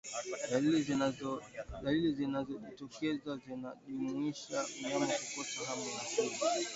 Dalili zinazojitokeza zinajumuisha mnyama kukosa hamu ya kula